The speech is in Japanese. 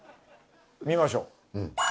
見ましょう。